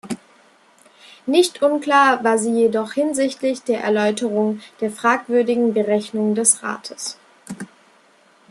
Nicht unklar war sie jedoch hinsichtlich der Erläuterung der fragwürdigen Berechnungen des Rates.